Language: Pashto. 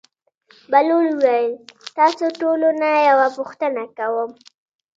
بهلول وویل: تاسو ټولو نه یوه پوښتنه کوم.